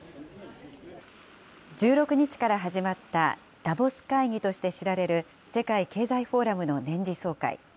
１６日から始まったダボス会議として知られる世界経済フォーラムの年次総会。